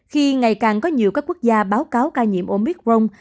khi ngày càng có nhiều các quốc gia báo cáo ca nhiễm omicron